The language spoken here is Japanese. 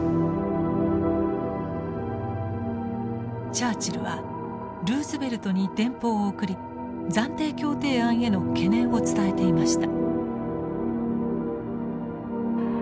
チャーチルはルーズベルトに電報を送り暫定協定案への懸念を伝えていました。